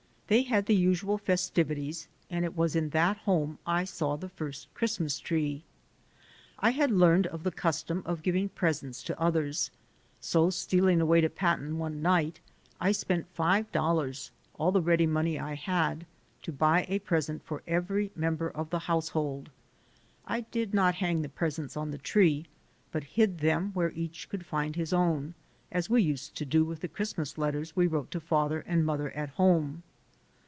They had the usual festivities and it was in that home I saw the first Christmas tree. I had learned of the custom of giving presents to others, so stealing away to Patten one night, I spent five dollars, all the ready money I had, to buy a pres THE FIRST GLIMPSES OF AMERICA 145 cnt for every member of the household. I did not hang the presents on the tree but hid them where each could find his own, as we used to do with the Christmas letters we wrote to father and mother at home.